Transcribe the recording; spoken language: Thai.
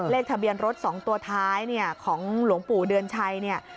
เลขทะเบียนรถสองตัวท้ายของหลงปู่เดือนชัย